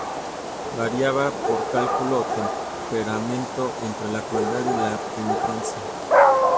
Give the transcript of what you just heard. Variaba por cálculo o temperamento entre la crueldad y la penitencia.